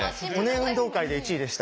運動会で１位でした。